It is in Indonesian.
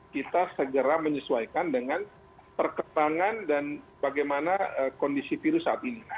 kita segera menyesuaikan dengan perkembangan dan bagaimana kondisi virus saat ini